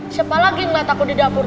siapa lagi ngeliat aku di dapur